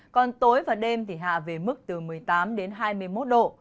còn tối và đêm thì hạ về mức từ một mươi tám đến hai mươi một độ